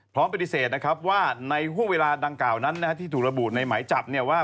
พร้อมเป็นทิเศษว่าในหุ้นเวลาดังกล่าวนั้นที่ถูกระบูรณ์ในหมายจับว่า